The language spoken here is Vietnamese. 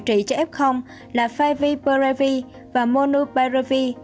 một loại thuốc điều trị cho f là năm v previv và monupreviv